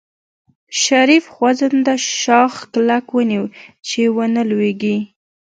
شريف خوځنده شاخ کلک ونيو چې ونه لوېږي.